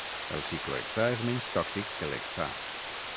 El ciclohexà és menys tòxic que l'hexà.